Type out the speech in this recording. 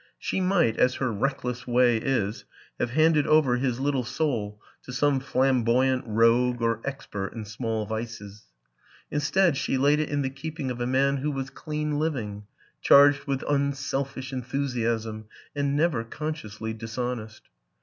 She might, as her reckless way is, have handed over his little soul to some flam boyant rogue or expert in small vices; instead, she laid it in the keeping of a man who was clean* living, charged with unselfish enthusiasm and never consciously dishonest.